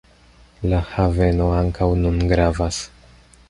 La haveno ankaŭ nun gravas.